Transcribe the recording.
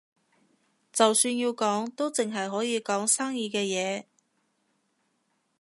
就算要講，都淨係可以講生意嘅嘢